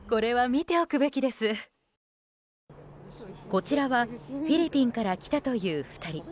こちらはフィリピンから来たという２人。